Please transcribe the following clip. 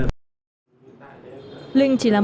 linh chỉ là một người đàn ông